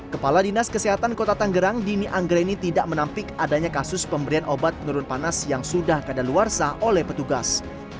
kepala dinas kesehatan kota tanggerang dini anggreni tidak menampik adanya kasus pemberian obat penurun panas yang sudah keadaan luar sah oleh petugas